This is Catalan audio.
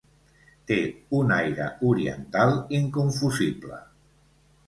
Té un aire Oriental inconfusible.